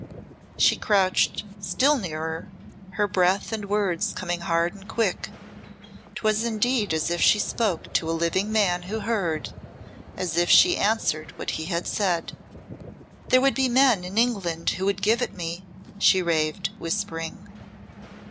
'" She crouched still nearer, her breath and words coming hard and quick. 'Twas indeed as if she spoke to a living man who heard as if she answered what he had said. "There would be men in England who would give it me," she raved, whispering.